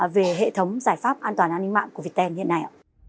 về hệ thống giải pháp an toàn an ninh mạng của viettel hiện nay ạ